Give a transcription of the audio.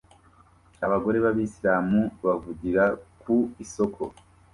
Abagore b'Abisilamu bavugira ku isoko